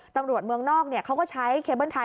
ตำรวจเมืองนอกเขาก็ใช้เคเบิ้ลทาย